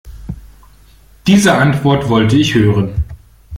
Diese Antwort wollte ich hören.